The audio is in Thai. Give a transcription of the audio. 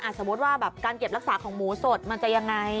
สมมุติว่าแบบการเก็บรักษาของหมูสดมันจะยังไง